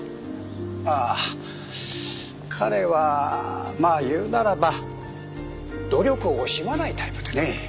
ああ彼はまあ言うならば努力を惜しまないタイプでね。